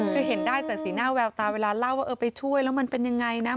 คือเห็นได้จากสีหน้าแววตาเวลาเล่าว่าเออไปช่วยแล้วมันเป็นยังไงนะ